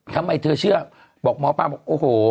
ทำไมเธอเชื่อบอกหมอปลาบอกโอ้โห